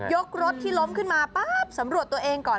รถที่ล้มขึ้นมาปั๊บสำรวจตัวเองก่อน